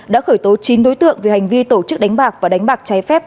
đã khởi tố chín đối tượng về hành vi tổ chức đánh bạc và đánh bạc trái phép